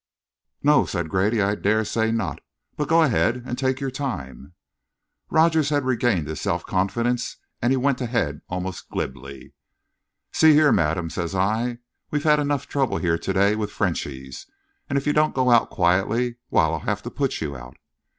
"No," said Grady, "I dare say not. But go ahead, and take your time." Rogers had regained his self confidence, and he went ahead almost glibly. "'See here, madam,' says I, 'we've had enough trouble here to day with Frenchies, and if you don't get out quietly, why, I'll have to put you out.'